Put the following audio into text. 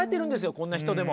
こんな人でも。